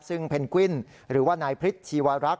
ซึ่งเพนกวิ้นหรือว่านายพริษชีวรักษ